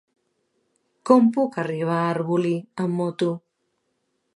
Com puc arribar a Arbolí amb moto?